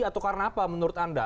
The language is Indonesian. atau karena apa menurut anda